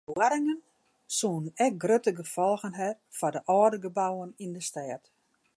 De boarringen soene ek grutte gefolgen ha foar de âlde gebouwen yn de stêd.